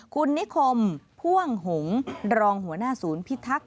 คุณนิคมพ่วงหงษ์รองหัวหน้าศูนย์พิทักษ